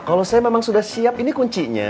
kalau saya memang sudah siap ini kuncinya